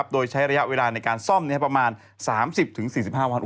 โดยใช้ระยะเวลาในการซ่อมประมาณ๓๐๔๕วัน